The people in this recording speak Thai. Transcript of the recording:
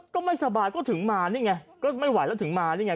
ก็ไม่สบายก็ถึงมานี่ไงก็ไม่ไหวแล้วถึงมานี่ไง